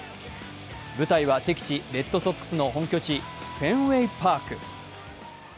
舞台は敵地・レッドソックスの本拠地、フェンウェイ・パーク。